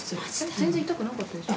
全然痛くなかったですよ。